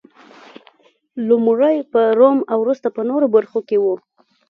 لومړی په روم او وروسته په نورو برخو کې و